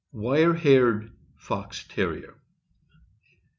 WIEE HAIEED FOX TERRIER.